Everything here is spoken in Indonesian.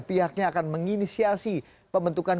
pihaknya akan menginisiasi pembentukan